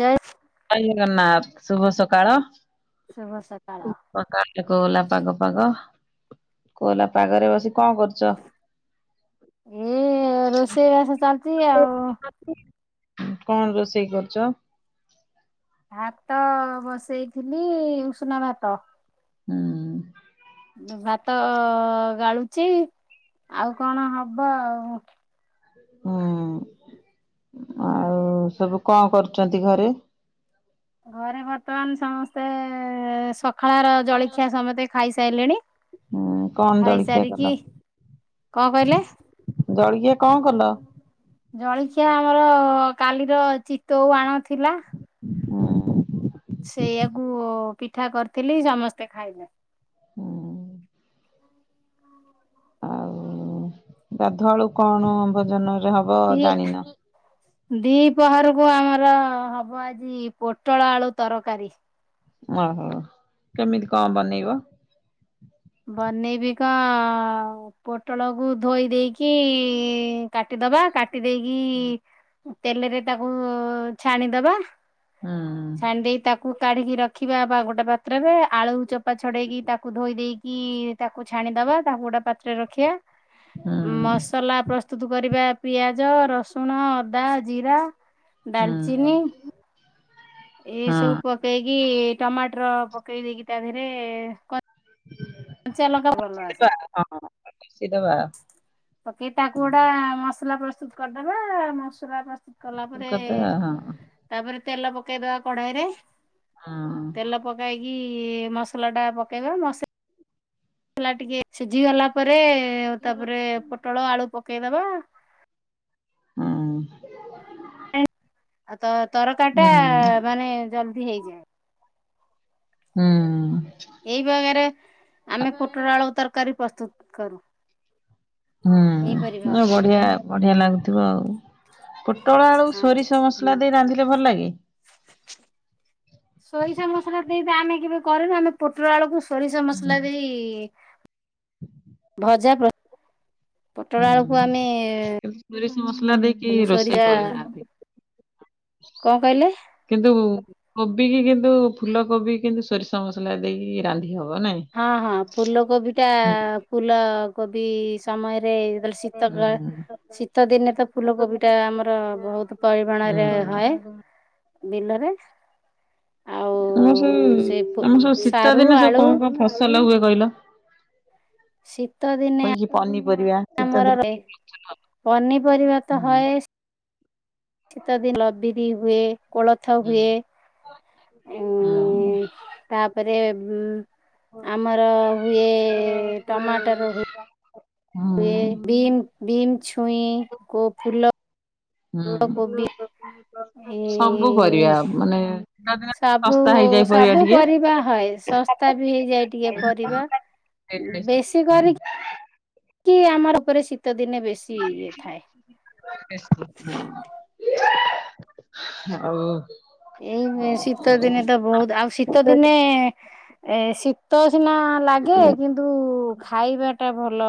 ଜୟ ଜୟ ଜଗନ୍ନାଥ ଶୁଭ ସକାଳ। ଶୁଭ ସକାଳ। ସକାଲେ କୋହୋଲା ପାଗ ପାଗ। କୋହୋଲା ପାଗରେ ବସି କଣ କରୁଛ? ମୁଁ-ଉ-ଉ-ଉ ଏଇ ରୋଷେଇବାସ ଚାଲିଛି ଆଉ କଣ ରୋଷେଇ କରୁଛ? ଭାତ ବସେଇଥିଲି ଉଷୁନା ଭାତ। ହୁଁ। ଭାତ ଗାଳୁଚି ଆଉ କଣ ହବ ଆଉ ହୁଁ ଆଉ ସବୁ କଣ କରୁଚନ୍ତି ଘରେ? ଘରେ ବର୍ତ୍ତମାନ ସମସ୍ତେ ସଖାଳର ଜଳଖିଆ ସମତେ ଖାଇସାରିଲେଣି। ହୁଁ, କଣ ଜଳିଖିଆ ଖାଇସାରିକି କଲ? କଣ କହିଲେ ଜଳିଖିଆ କଣ କଲ? ଜଳିଖିଆ ଆମର କାଲିର ଚିତଉ ଆଣ ଥିଲା। ହୁଁଉଁ। ସେଇଆାକୁ ପିଠା କରିଥିଲି ସମସ୍ତେ ଖାଇଲେ। ହୁଁ। ଆଉ ଗାଧୁଆ ବଳକୁ କଣ ଭୋଜନରେ ହବ ଜାଣିନ। ଦିପହରକୁ ଆମର ହବ ଆଜି ପୋଟଳ ଆଳୁ ତରକାରୀ। ଓହୋ, କେମିତି କଣ ବନେଇବ? ବନେଇବି କ ପୋଟଳକୁୁ ଧୋଇ ଦେଇକି କାଟି କାଟିଦବା କାଟି ଦେଇେକି ତେଲରେ ତାକୁ ଛାଣିଦବା। ହୁଁ ଛାଣି ଦେଇ ତାକୁ କାଢ଼ିକି ରଖିବା ବା ଗୋଟେ ପାତ୍ରରେ ଆଳୁ ଚୋପା ଛଡ଼େଇକି ତାକୁ ଧୋଇ ଦେଇକି ତାକୁ ଛାଣିଦବା ତାକୁ ଗୋଟେ ପାତ୍ରରେ ରଖିବା ମସ୍ ହୁଁ। ମସଲା ପ୍ରସ୍ତୁତ କରିବା ପିଆଜ, ରସୁଣ, ଅଦା, ଜିରା। ହୁଁହୁଁ। ଡାଲଚିନି ଏ ସବୁ ପକେଇକି ଟମାଟର ପକେଇ ଦେଇକି ତା ଦେହରେ କରି [unintelligible] ପକେଇ ତାକୁ ଗୋଟା ମସଲା ପ୍ରସ୍ତୁତ କରିଦବା ମସଲା କସ୍ କଲା ପରେ ତାପରେ ତେଲ ପକେଇଦବା କଢାଇରେ। ହଁ। ପକେଇକି ମସଲା ଟା ପକେଇବା ମସା। ମାସଲା ଟିକେ ସିଝି ଗଲା ପରେ ଆଉ ତାପରେ ପୋଟଳ ଆଳୁ ପକେଇଦବା। ହୁଁ। ଆଉ ତ ତରକାରି ଟା ମାନେ ଜଲଦି ହେଇଯାଏ। ହୁଁ। ଏଇ ବାଗରେ ଆମେ ପୋଟଳ ଆଳୁ ତରକାରୀ ପ୍ରସ୍ତୁତ କରୁ। ଏହିପରି ହୁଁ ଭାବରେ ବଢିଆ ବଢିଆ ଲାଗୁଥିବ ଆଉ ପୋଟଳ ଆଳୁକୁ ସୋରିଶ ମସ୍ ହଁ। ମସଲା ଦେଇ ରାନ୍ଧିଲେ ଭଲ ଲାଗେ। ସୋରିଷ ମସଲା ଦେଇତ ଆମେ କେବେ କରିନୁ ଆମେ ପୋଟଳ ଆଳୁକୁ ସୋରିଷ ହୁଁ ମସଲା ଦେଇ ଭଜା ପ୍ର ପୋଟଳ ହୁଁ ଆଳକୁ ଆମେ କିନ୍ତୁ ସୋରିଷ ମସଲା ଦେଇକି ରୋଷେଇ ସୋରିଶା କରିନାହାନ୍ତି କଣ କଇଲେ? କିନ୍ତୁ କୋବି କି କିନ୍ତୁ ଫୁଲ କୋବି କିନ୍ତୁ ସୋରିଷ ମସଲା ଦେଇକି ରାନ୍ଧି ହବ। ନାଇଁ। ହଁ ହଁ ଫୁଲକୋବି ଟା ହୁଁ ହୁଁ ଫୁଲକୋବି ସମୟରେ ଜେତବେଳେ ଶୀତକାଳ ଆମର ଶୀତ ଦିନେ ତ ଫୁଲକୋବି ଟା ଆମର ବୋହୁତ ପରିମାଣରେ ହଏ। ବିଲରେ। ଆଉ ତମର ସବୁ ସେ ଫୁ ତମର ସବୁ ଶୀତ ସାରୁ ଦିନେ ସବୁ ଆଳୁ କଣ କଣ ଫସଲ ହୁଏ କଇଲ? ଶୀତ ଦିନେ ଆ। ପନିପରିବା। ଶୀତ ଆମର ଦିନେ ରହେ ପନିପରିବା ତ ହୁଁ ହଏ। ଶୀତାଦିନ ଲ ବିରି ହୁଏ କୋଳଥ ହୁଁ ହୁଏ। ହୁଁ ଉଁ ତାପରେ ବୁଁ ଆମର ହୁଏ ଟମାଟର ହୁଏ। ହୁଏ ହୁଁ। ବିମ୍ ବିମ୍ ଛୁଇଁ କୋ ଫୁଲ କୋବି ଏ [inaudible] ସବୁ ପରିବା ମାନେ ଶୀତ ଦିନ ସବୁ ଶସ୍ତା ହେଇଯାଏ ପରିବା ଟିକେ। ତା ବି ହେଇଯାଏ ଟିକେ ପରିବା। [unintelligible] ବେଶୀ କରିକି କି ଆମର ଉପରେ ଶୀତ ଦିନେ ବେଶୀ ଇଏ ଥାଏ [unintelligible] ଆଉ। ଏଇ ଶୀତ ଦିନେ ତ ବହୁତ ଆଉ ଶୀତ ଦିନେ ଏ ଶୀତ ସିନା ଲାଗେ କିନ୍ତୁ ଖାଇବା ଟା ଭଲ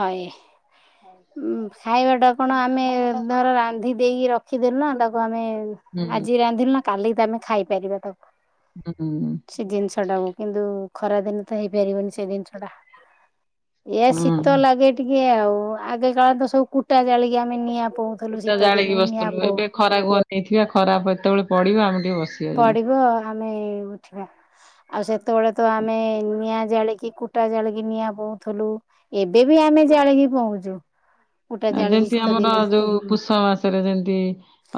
ହଏ। ଉ ଖାଇବା ଟା କଣ ଆମେ ଧର ରାନ୍ଧି ଦେଇକି ରଖିଦେଲୁ ନା ତାକୁ ଆମେ ହୁଁ ଆଜି ରାନ୍ଧିଲୁ ନା କାଲି ତ ଆମେ ଖାଇପାରିବା ତାକୁ। ହୁଁ ହୁଁ। ସେ ଜିନିଷ ଟାକୁ କିନ୍ତୁ ଖରାଦିନେ ତ ହେଇପାରିବନି ସେ ଯିନିଷଟା ଇଏ ଶୀତ ହୁଁ ଲାଗେ ଟିକେ ଆଉ ଆଗେ କାଳ ତ ସବୁ କୁଟା ଜାଳିକି ଆମେ ନିଆଁ ପୋଉଥିଲୁ। ଶୀତ ଦିନେ ନିଆଁ ପୋଉ ଖରାକୁ ଅନେଇଥିବା ଖରାକେତେବେଳେ ପଡିବ ଆମେ ଟିକେ ବସି ପଡିବ ଆମେ ଉଠିବା। ଆଉ ସେତେବେଳେ ତ ଆମେ ନିଆଁ ଜାଳିକି କୁଟା ଜାଳିକି ନିଆଁ ପୋଉଁଥିଲୁ। ଏବେ ବି ଆମେ ଜାଳିକି ପଉଁଛୁ‌। ଯେମିତି ଆମର ଯୋଉ ପୁଷ ମାସରେ ଯେମିତି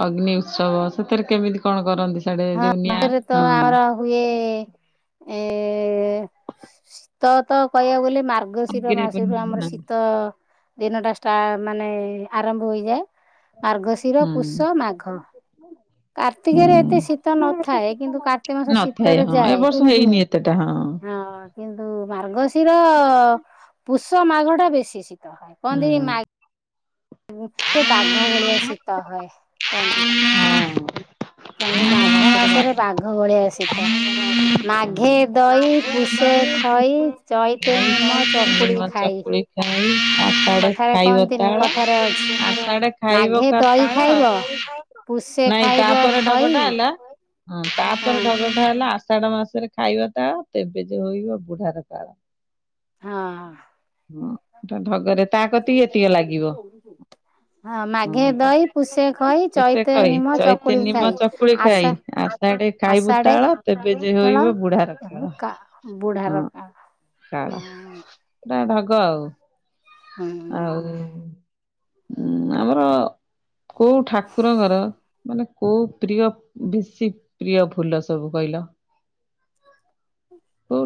ଅଗ୍ନି ଉତ୍ସବ ସେଥିରେ କେମିତି କଣ କରନ୍ତି ସିଆଡେ ଯୋଉ ନିଆଁ ହଁ। କେ ଏ ଶୀତ ତ କହିବା ବୋଲି ମାର୍ଗ ମାର୍ଗଶିର ଅଗିରେ ମାସରୁ ଆମର ହୁଁ ଶୀତ ଦିନଟା ଷ୍ଟା ମାନେ ଆରମ୍ଭ ହୋଇଯାଏ। ମାର୍ଗଶିର ପୁଷ ମାଘ। କାର୍ତ୍ତିକରେ ଏତେ ହୁଁ। ଶୀତ ନଥାଏ। କିନ୍ତୁ କାର୍ତ୍ତିକ ମାସ ନଥାଏ ଶୀତରେ ହଁ ଏ ଯାଏ। ବର୍ଷ ହେଇନି ଏତେଟା ହଁ ହଁ କିନ୍ତୁ ମାର୍ଗଶିର ପୁଷ ମାଘ ଟା ବେଶୀ ଶି କହନ୍ତି ହୁଁ। ବାଘ ଭଳିଆ ଶୀତ ହଏ କୁହନ୍ତି। କହନ୍ତି ଭାଦ୍ର ମାଘ ବାଧ। ମାସରେ ବାଘ ଭଳିଆ ଶିତ। ମାଘେ ପୂର୍ଣ୍ଣିମା ଦହି ପୂଷେ ଖଇ ଚଇତେ ନିମ ଚକୁଳି ଖାଇ। ହ [unintelligible] ଆସେଡେ କଥାରେ ଖାଇବ କହନ୍ତିନି ତାଳ କଥାରେ ଅଛି ଆସଡେ ଖାଇବ ମାଘେ କା ଦହି ତାଳ ଖାଇବ ପୁଷେ ନାଇଁ ଖାଇବ ତାପରେ ଢଗ ଖଇ ଟା ହେଲା ତାପରେ ହଁ ଢଗ ହେଲା ଆଷାଢ ମାସରେ ଖାଇବା ତାଳ ତେବେ ଯେ ହୋଇବ ବୁଢାର କାଳ। ହଁ। ହଁ ଢଗରେ ତା କତିକି ଏତିକ ଲାଗିବ। ମାଘେ ହଁ ତ ଦହି ପୁଷେ ଖଇ ତୁ ସେ ଚୈତେ କହି ନିମ ଚୈତି ଚକୁଳି ନିିମ ଖାଇ। ଚକୁଳି ଆଷା ଖାଇ ଆ ତା ଟିକେ ଖାଇବୁ ଆଷାଢେ ତାଳ ତେବେ ଯେ ଦଳ ହୋଇବ ବୁଢ ର ତେଣୁ କାଳ କା ବୁଢାର ହଁ। କାଳ କାଳ ହୁଁ ଏଇଟା ଢଗ ଆଉ। ହୁଁ। ଆଉ ଆମର କୋଉ ଠାକୁର ଙ୍କର ମାନେ କୋଉ ପ୍ରିୟ ବେଶୀ ପ୍ରିୟ ଫୁଲ ସବୁ କହିଲ? ହ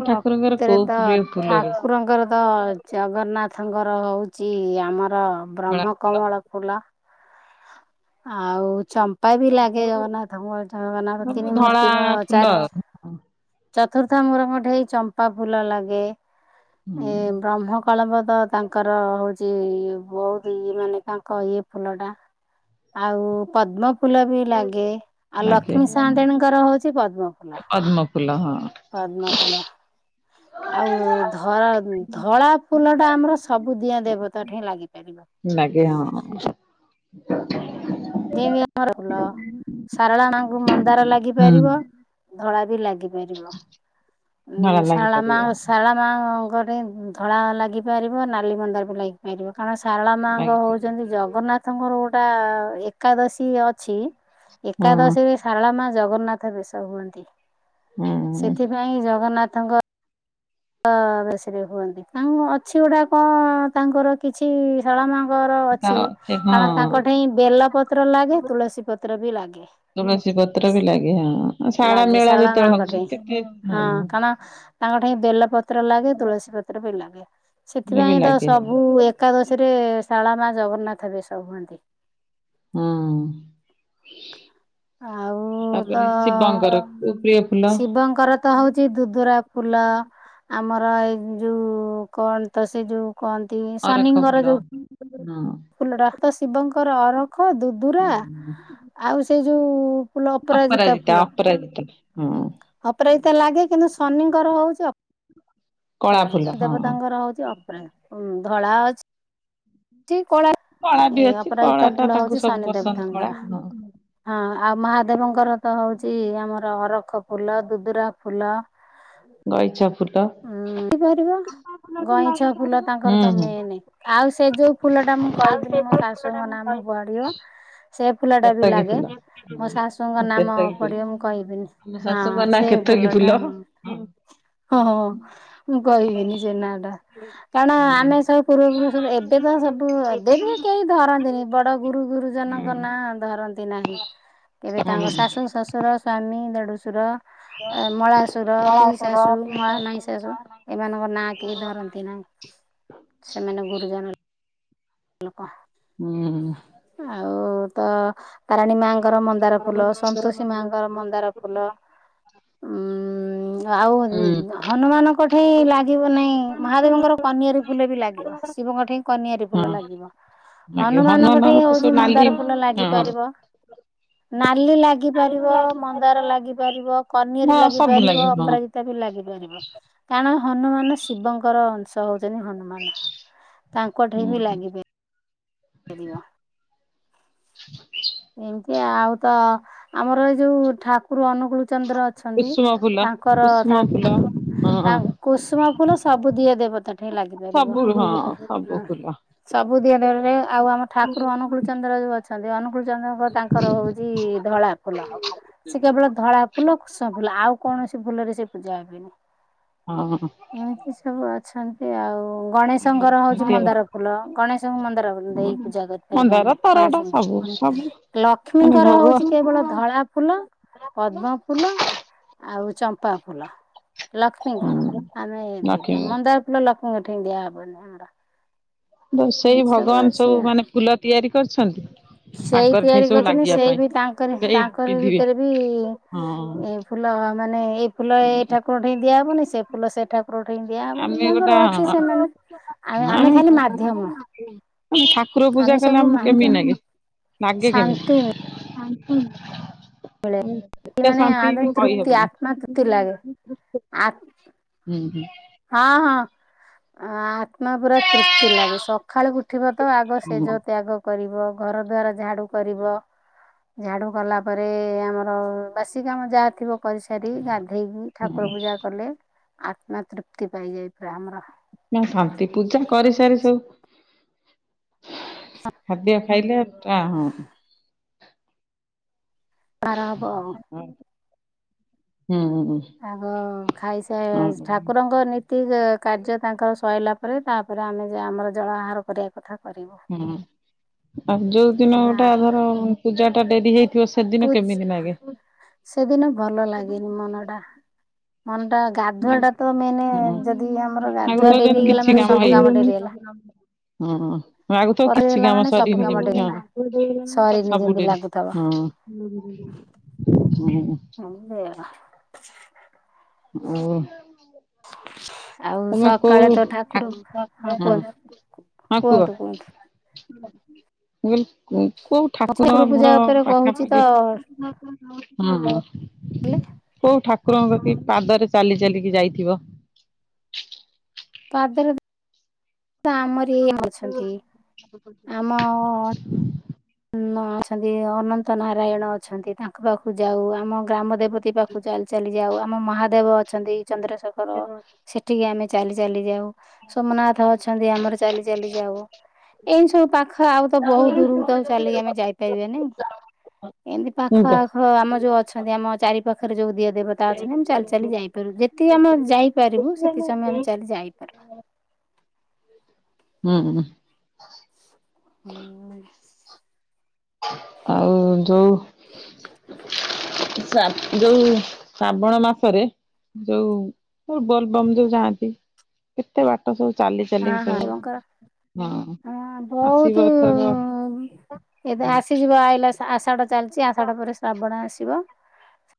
ପ୍ରକୃତରେ ତ ବେଶୀ? ଠାକୁରଙ୍କର ତ ଜଗନ୍ନାଥଙ୍କର ହେଉଛି ଆମର ଧଳା ଫୁଲ ବ୍ରହ୍ମକମଳ ଫୁଲ ଆଉ ଚମ୍ପ ମ୍ପା ବି ଲାଗେ ଜଗନ୍ନାଥ ଜଗନ୍ନାଥ ସବୁ ତିନି ଧଳା ମୂର୍ତ୍ତି ଫୁଲ ଚାରି ଆଉ ଚତୁର୍ଥା ମୂର ଙ୍କ ଠେଇ ଚମ୍ପା ଫୁଲ ଲାଗେ। ହୁଁ ଏଁ ବ୍ରହ୍ମ କଳମ୍ବ ତ ତାଙ୍କର ହଉ ସିଏ ଇଏ ବହୁତ ଇଏ ମାନେ ତାଙ୍କ ଇଏ ଫୁଲ ଟା। ଆଉ ପଦ୍ମ ଫୁଲ ବି ଲାଗେ ଆଉ ଲାଗେ ଲକ୍ଷ୍ମୀ ସାନ୍ତେଣୀଙ୍କର ହଉଛି ପଦ୍ମ ଫୁଲ। ପଦ୍ମ ଫୁଲ ହଁ। ପଦ୍ମ ଫୁଲ। ଆଉ ଧରା ଧଳା ଫୁଲ ଟା ଆମର ସବୁ ଦିଅଁ ଦେବତା ଠେଇଁ ଲାଗ ଇପାରିବ। ଲାଗେ ହଁ। ଆଛାା ଯେମତି ଆମର ଫୁଲ ଶାରଳା ମାଆଙ୍କୁ ମନ୍ଦାର ହୁଁ ଲାଗିପାରିବ। ଧଳା ବି ଲାଗିପାରିବ ଧଳା ଉଁ ଶାରଳା ମାଆ ଲାଗିପାରିବ। ଶାରଳା ମାଆଙ୍କ ଠେଇ ଧଳା ଲାଗିପାରିବ ନାଲି ମନ୍ଦାର ବି ଲାଗିପାରିବ। କାରଣ ଶାରଳା ମାଆଙ୍କ ଲାଗି ହଉଚନ୍ତି ପାରିବେ। ଜଗନ୍ନାଥଙ୍କର ଗୋଟା ଏକାଦଶୀ ଅଛି ହଁ ଏକାଦଶୀରେ ଶାରଳା ମାଆ ଜଗନ୍ନାଥ ବେଶ ହୁଅନ୍ତି। ହଁ। ସେଥିପାଇଁ ଜଗନ୍ନାଥଙ୍କ ଅ ବେଶେରେ ହୁଅନ୍ତି ତାଙ୍କ କଣ ଅଛି ଗୁଡା କଣ ତାଙ୍କର କି ଅଛି ଶାରଳା ମାଆଙ୍କର ତା ଅଛି କାରଣ ତାଙ୍କ ହଁ ଠେଇଁ ବେଲ ପତ୍ର ଲାଗେ ତୁଳସୀ ପ ତ୍ର ବି ଲାଗେ। ତୁଳସୀ ପତ୍ର ବି ଲାଗେ ହଁ ଶାରଳା ଲାଗେ ମେଳା ଶାରଳା ଯେତେବେଳେ ମାଆଙ୍କ ହଉଛି ଠେଇଁ କେତେ ହଁ କଣ ତାଙ୍କ ଠେଇଁ ବେଲ ପତ୍ର ଲାଗେ ତୁଳସୀ ପତ୍ର ବି ଲାଗେ। ରେ ବି ସେଥିପାଇଁ ତ ଲାଗେ ହଁ। ସବୁ ଏ ଏକାଦଶୀରେ ଶାରଳା ମାଆ ଜଗନ୍ନାଥ ବେଶ ହୁଅନ୍ତି। ହଁ ଆଉ ତ ତାପରେ ଶିବଙ୍କର ପ-ପ୍ରିୟ ଶିବଙ୍କର ତ ହଉଚି ଦୁଦୁରା ଫୁଲ ଆମର ଏ ଯୋଉ କଣ ତ ସେ ଯୋଉ କହନ୍ତି ଅରଖ ଶନିଙ୍କର ଫୁଲ ଯୋଉ ହଁ। ଫୁଲଟା ତ ଶିବଙ୍କର ଅରଖ, ଦୁଦୁରା ଆଉ ସେ ଯୋଉ ଫୁଲ ଅପରାଜିତା ଫୁଲ ଅପରାଜିତା ହୁଁ। ଅପରାଜିତା ଲାଗେ କିନ୍ତୁ ଶନିଙ୍କର ହଉଛି କଳା ଫୁଲ ଅପରାଜିତା ହଁ ଦେବତାଙ୍କର ହଉଛି ଅ ପ୍ରା ଉଁ ଧଳା ଅଛି କଳା। କଳା ବି ଏଇ ଅଛି କଳା ଅପରାଜିତା ଟା ଫୁଲ ତାଙ୍କୁ ହଉଚି ସବୁ ଶନି ପସନ୍ଦ କଳା ଦେବତାଙ୍କର। ହଁ। ହଁ ଆଉ ମହାଦେବଙ୍କର ତ ହଉଛି ଆମର ଅରଖ ଫୁଲ, ଦୁଦୁରା ଫୁଲ। ଗଇଛ ଫୁଲ। ଉଁ ହେଇପାରିବ। ଗଇଁଛ ଫୁଲ ତାଙ୍କର ହୁଁ ତ ହୁଁ। ମେନେ ଆଉ ସେ ଯୋଉ ଫୁଲ ଟା ମୁଁ କହିବିନି ମୋ ଶାଶ୍ ଶୁଙ୍କ ନାମ ପଡିିବ। ସେ ଫୁଲ ଟା ବି କେତକୀ ଲାଗେ ଫୁଲ ମୋ ଶାଶୁଙ୍କ ହଁ ନାମ କେତକୀ ଫୁଲ। ପଡିବ ମୁଁ କହିବିନି। ଆମ ହଁ ଶାଶୁଙ୍କ ନାଁ ସେଇ କେତକୀ ଫୁଲ ଟା। ହୁଁ ହଁ ହଁ ମୁଁ କହିବିନି ସେ ନାଁ ଟା। ହୁଁ। କାରଣ ଆମେ ସବୁ ପୂର୍ବ ପୁରୁଷର ଏବେ ତ ସବୁ ଏବେ ବି କେଇ ଧରନ୍ତିନି ବଡ଼ ଗୁରୁ ଗୁରୁଜନ ହୁଁ ଙ୍କ ନାଁ ଧରନ୍ତି ନାହିଁ କେବେ ହଁ ତାଙ୍କ ଶାଶୁ, ଶଶୁର, ସ୍ଵାମୀ, ଦେଢୁଶୁର। ଆ ମଳାସୁର, ପିଇଶାଶୁ। ମଳା ମାଇଁଶାଶୁ ଏମାନଙ୍କ ନାଁ କେହି ଧରନ୍ତି ନାହିଁ ସେମାନେ ଗୁରୁଜନ। ଲୋକ। ହୁଁ ହୁଁ। ଆଉ ତ ତାରାଣୀ ମାଆଙ୍କର ମନ୍ଦାର ଫୁଲ ସନ୍ତୋଷୀ ମାଆଙ୍କର ମନ୍ଦାର ଫୁଲ ଉଁ ଆଉ ଉଁ ହନୁମାନଙ୍କ ଠେଇଁ ଲାଗିବ ନାଇଁ ମହାଦେବଙ୍କର କନିଆରୀ ଫୁଲ ବି ଲାଗିବ ଶିବଙ୍କ ଠେଇଁ କନିଆରୀ ଫୁଲ ଲାଗିବ। ଲାଗିବ ହନୁମାନଙ୍କ ଠେଇଁ ତ ସବୁ ହଉଚି ନାଲି ମନ୍ଦାର ଫୁଲ ହଁ ହଁ ଲାଗିପାରିବ। ନାଲି ଲାଗିପାରିବ ମନ୍ଦାର ଲାଗିପାରିବ କନିଅରି ସବୁ ଲାଗିପାରିବ ଲାଗିବ ହଁ। ଅପରାଜି ତା ବି ଲାଗିପାରିବ କାରଣ ହନୁମାନ ଶିବଙ୍କର ଅଂଶ ହଉଚନି ହନୁମାନ। ତାଙ୍କ ଠାରେ ବି ହୁଁ ଲାଗିପାରିବ। ଏଣୁ ଏ ଆଉ ତ ଆମର ଏଇ ଯୋଉ ଠାକୁରୁ ଅନୁକୂଳୁ ଚନ୍ଦ୍ର ଅଛନ୍ତି କୁସୁମ ଫୁଲ ତାଙ୍କର କୁସୁମ ତାଙ୍କ ଫୁଲ ତା ହଁ। କୁସୁମ ଫୁଲ ସବୁ ଦିଅ ଦେବ ତାଠି ଲାଗିପାରିବ। ସବୁ ହଁ ସବୁ ଉଁ, ଫୁଲ ସବୁ ଦିଅ ଦେବରେ ଆଉ ଆମ ଠାକୁରୁ ଅନୁକୂଳ ଚନ୍ଦ୍ର ଯୋଉ ଅ ଛନ୍ତି ଅନୁକୂଳ ଚନ୍ଦ୍ରଙ୍କ ତାଙ୍କର ହଉଚି ଧଳା ଫୁଲ। ସେ କେବଳ ଧଳା ଫୁଲ କୃସୁମ ଫୁଲ ଆଉ କୌଣସି ଫୁଲରେ ସେ ପୂଜା ହେବେନି। ହଁ। ଏମିତି ସବୁ ଅଛନ୍ତି ଆଉ। ଗଣେଶଙ୍କର ହଉଛି ମନ୍ଦାର ର ଗଣେଶଙ୍କୁ ମନ୍ଦାର ଦେଇ ପୂଜା କରିପାରିବା ମନ୍ଦାର ଆମେ ତରାଟ ଗଣେଶଙ୍କୁ। ସବୁ ସବୁ ମାନେ ଲକ୍ଷ୍ମୀଙ୍କର ଭୋଗ ହଉଚି କେ କେବଳ ଧଳା ଫୁଲ, ପଦ୍ମ ଫୁଲ ଆଉ ଚମ୍ପା ଫୁଲ। ହୁଁ ଲକ୍ଷ୍ମୀଙ୍କର ଆମେ ଦିଥା ଲକ୍ଷ୍ମୀ ମନ୍ଦାର ଫୁଲ ଲକ୍ଷ୍ମୀଙ୍କଠି ଦିଆହବନି ଆମର। ବ ସେଇ ଏମିତି ଭଗବାନ ଅଛି ସବୁ ଆଉ ମାନେ ଫୁଲ ତିଆରି କରିଛନ୍ତି। ସେଇ ତାଙ୍କର ଠେଇ ତିଆରି ସବୁ କରିଛନ୍ତି ଲାଗିବା ସେଇ ପାଇଁ ବି ତାଙ୍କରି ସେଇ ତାଙ୍କରି ପିନ୍ଧିବେ ଭିତରେ ବି ହଁ ଏ ଫୁଲ ଆ, ମାନେ ଏ ଫୁଲ ଏ ଠାକୁର ଦିଆହବନି। ସେ ଫୁଲ ସେ ଠା କୁର ଠେଇଁ ଦିଆ ହବନି ଆମେ ଗୋଟା ତାଙ୍କର ଅଛି ସେମାନେ ଆମେ ଆମେ ଖାଲି ମାଧ୍ୟମ। [inaudible] ଠାକୁର ପୂଜା ଆମେ କଲେ ସବୁ ଆମକୁ କେମିତି ମାଧ୍ୟମ ନାଗେ? ନାଗେ ଶାନ୍ତି କେମିତି? ଏତେ ମାନେ ଶାନ୍ତି ଆମେ ଯୋଉ କହି ତୃପ୍ତି ହେବନି। ଆତ୍ମା ତୃପ୍ତି ଲାଗେ। ଉଁ, ହୁଁ। ହଁ ହଁ ଆତ୍ମା ପୁରା ତୃପ୍ତି ଲାଗେ। ସ ଖାଳୁ ଉଠିବ ତ ଆଗ ହୁଁ ସେଜ ତ୍ୟାଗ କରିବ ଘର ଦ୍ୱାରା ଝାଡୁ କରିବ। ଝାଡୁ କଲା ପରେ ଆମର ବାସି କାମ ଯାହା ଥିବ କରିସାରି, ଗାଧେଇକି ଠାକୁର ହୁଁ ପୂଜା କଲେ ଆତ୍ମା ତୃପ୍ତି ପାଇଯାଇ ପୁରା ଆମର। ନା ଶାନ୍ତି ପୂଜା କରି ସାରି ସବୁ ଖାଦ୍ୟ ଖାଇଲେ ଟା ହବ କାର ହବ ଆଉ। ହୁଁ, ହୁଁ। ଆଗ ଖାଇସା ହଁ ହଁ ଠାକୁରଙ୍କ ନୀ ତି ଯେ କାର୍ଯ୍ୟ ତାଙ୍କର ସରିଲା ପରେ ତାପରେ ଆମେ ଯେ ଆମର ଜଳ ଆହାର କରିବା କଥା। କରିବୁ। ହଁ ଆଉ ଯୋଉ ଦିନ ଗୋଟେ ଧର ପୂଜା ଟା ଡେରି ହେଇ ପୁଜ୍ ସେଦିନ ଭଲ ଲାଗେନି ମନଟା। ମନଟା ଗାଧୁଆ ଟା ତ ମେନେ ଯଦି ଆମର ଗାଧୁଆ ଆଗଥର ଡେରି ଯେମିତି ହେଇଗଲା କିଛି ମାନେ ସବୁ କାମ ହେଇନି। ଡେରି ହେଲା। ହଁ ନାଗୁଥ କରି କିଛି ହେଲା କାମ ମାନେ ସବୁ ସରନି କାମ ଡେରି ହେଲା ହଁ ସରିନି ସବୁ ଯେମିତି ଡେରି ଲାଗୁଥବ। ହଁ। [unintelligible] [unintelligible] ଓ ଆଉ ତୋମେ କୋଉ ସକାଳେ ତ ଠାକୁର ହଁ ହଁ କୁହନ୍ତୁ କୁହ। କୁହନ୍ତୁ ମୁଁ କହିଲି କୁ କୋଉ ଠାକୁର ପୂଜା ଘର ଉପରେ କହୁଛି ତ ପାଖାପାଖି ହଁ। ହେଲେ କୋଉ ଠାକୁରଙ୍କ କତିକି ପାଦରେ ଚାଲି ଚାଲିକି ଯାଇଥିବ? ପାଦରେ ଏ ଆମରି ଇଏ ଅଛନ୍ତି ଆମ ଆମ ଅଛନ୍ତି ଅ, ଅନନ୍ତ ନାରାୟଣ ଅଛନ୍ତି ତାଙ୍କ ପାଖକୁ ଯାଉ। ଆମ ଗ୍ରାମ ଦେବତୀ ପାଖକୁ ଚାଲି ଚାଲି ଯାଉ। ଆମ ମହାଦେବ ଅଛନ୍ତି ଚନ୍ଦ୍ରଶେଖର [unintelligible] ସେଠିକି ଆମେ ଚାଲି ଚାଲି ଯାଉ ସୋମନାଥ ଅଛନ୍ତି ଆମର ଚାଲି ଚାଲି ଯାଉ ଏଇ ସବୁ ପାଖ ଆଉ ତ ବହୁତ ଦୂରକୁ ତ ଆଉ ଚାଲିକି ଆମେ ଯାଇପାରିବା ନାଇଁ ଏମିତି ହୁଁ ପାଖ ଆଖ ହଁ ଆମ ଯୋଉ ଅଛନ୍ତି ଆମ ଚାରି ପାଖରେ ଯୋଉ ଦିଅ ଦେବ ତା ଅଛନ୍ତି ଆମେ ଚାଲି ଚାଲି ଯାଇପାରିବୁ ଯେତିକି ଆମେ ଯାଇପାରିବୁ ସେତିକି ସମୟ ଆମେ ଚାଲି ଯାଇପାରୁ। ହୁଁ। ହୁଁ। ଆଉ ଯୋଉ ଶ୍ରା ଯୋଉ ଶ୍ରାବଣ ମାସରେ ଯୋଉ ବୋଲ ବମ୍ ଯୋଉ ଯାଆନ୍ତି କେତେ ବାଟ ସବୁ ଚାଲି ଚାଲିକି ହଁ ସବୁ ହଁ ହଁ ବହୁତୁ ଆସିବ ଏଥରକ ଏବେ ହଁ ଆସିଯିବ ଆଇଲା ଶା ଆଷାଢା ଚାଲିଚି ଆଷାଢ ପରେ ଶ୍ରାବଣ ଆସିବ।